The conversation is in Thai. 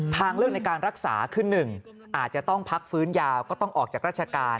ทางเลือกในการรักษาคือ๑อาจจะต้องพักฟื้นยาวก็ต้องออกจากราชการ